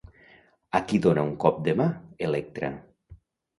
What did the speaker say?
A qui dona un cop demà, Electra?